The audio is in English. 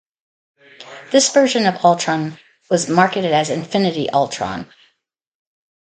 This version of Ultron was marketed as "Infinity Ultron".